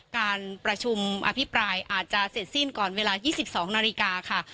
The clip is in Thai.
การประชุมอภิปรายอาจจะเสร็จสิ้นก่อนเวลา๒๒นาฬิกาค่ะ